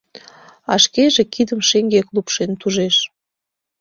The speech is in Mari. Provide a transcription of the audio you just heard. А шкеже кидым шеҥгек лупшен тужеш: